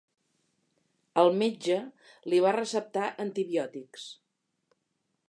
El metge li va receptar antibiòtics.